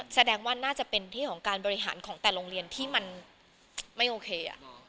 แสดงว่าน่าจะเป็นที่ของการบริหารของแต่โรงเรียนที่มันไม่โอเค